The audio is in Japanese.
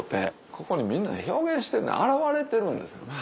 ここにみんな表現してる表れてるんですね。